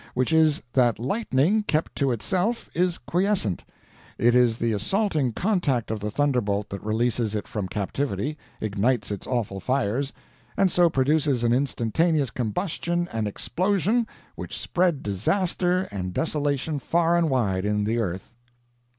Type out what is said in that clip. Which is, that lightning, kept to itself, is quiescent; it is the assaulting contact of the thunderbolt that releases it from captivity, ignites its awful fires, and so produces an instantaneous combustion and explosion which spread disaster and desolation far and wide in the earth."